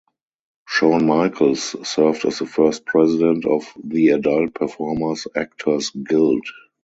Sean Michaels served as the first president of the Adult Performers Actors Guild.